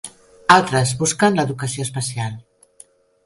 Altres busquen l'educació especial.